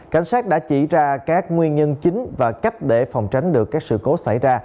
cảnh sát đã chỉ ra các nguyên nhân chính và cách để phòng tránh được các sự cố xảy ra